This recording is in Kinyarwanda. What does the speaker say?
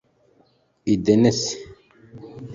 idenesi